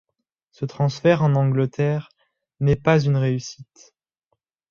Ce transfert en Angleterre n'est pas une réussite.